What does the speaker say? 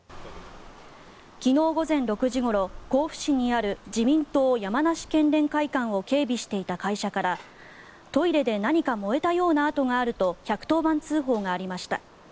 昨日午前６時ごろ、甲府市にある自民党山梨県連会館を警備していた会社からトイレで何か燃えたような跡があると１１０番通報がありました。